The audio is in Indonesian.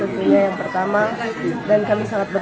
dengan pidana penjara selama satu tahun